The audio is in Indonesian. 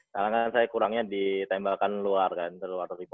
kalangan saya kurangnya ditembalkan luar kan terluar dari poin